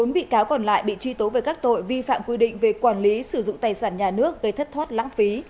một mươi bị cáo còn lại bị truy tố về các tội vi phạm quy định về quản lý sử dụng tài sản nhà nước gây thất thoát lãng phí